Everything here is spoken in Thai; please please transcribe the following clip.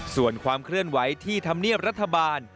ส่วนความเคลื่อนไหวที่ธรรมเนียบรัฐบาล